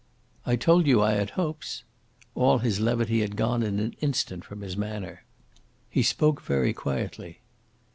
"I told you I had hopes." All his levity had gone in an instant from his manner. He spoke very quietly.